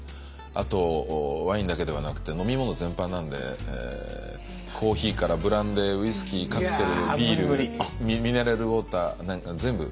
あとワインだけではなくて飲み物全般なんでコーヒーからブランデーウイスキーカクテルビールミネラルウォーター全部。